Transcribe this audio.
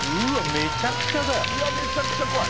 めちゃくちゃ怖い。